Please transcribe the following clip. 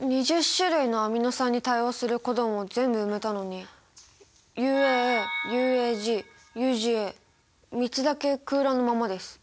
２０種類のアミノ酸に対応するコドンを全部埋めたのにＵＡＡＵＡＧＵＧＡ３つだけ空欄のままです。